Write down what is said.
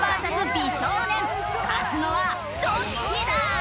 美少年勝つのはどっちだ！？